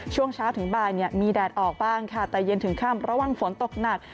ช่วงเช้าถึงบ่ายมีแดดออกบ้างค่ะแต่เย็นถึงค่ำระวังฝนตกหนัก